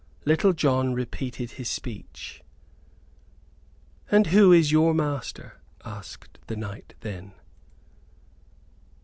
Little John repeated his speech. "And who is your master?" asked the knight then.